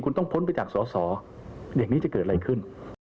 คุณต้องพ้นไปจากสอสออย่างนี้จะเกิดอะไรขึ้น